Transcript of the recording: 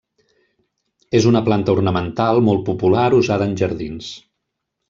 És una planta ornamental molt popular usada en jardins.